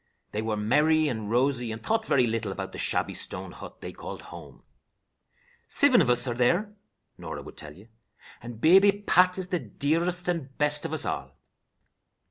They were merry and rosy, and thought very little about the shabby stone hut they called "home." "Sivin of us there are," Norah would tell you, "and baby Pat is the dearest and best of us all."